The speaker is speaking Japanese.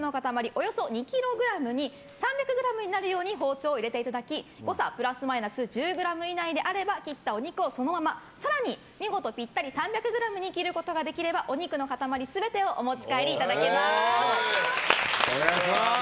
およそ２ｋｇに３００ｇになるように包丁を入れていただき誤差プラスマイナス１０ｇ以内であれば切ったお肉をそのまま更に見事ぴったり３００ｇに切ることができればお肉の塊全てをお持ち帰りいただけます。